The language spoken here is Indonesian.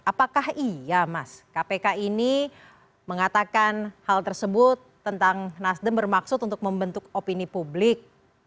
apakah iya mas kpk ini mengatakan hal tersebut tentang nasdem bermaksud untuk membentuk opini publik